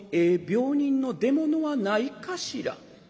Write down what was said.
病人の出物はないかしら」。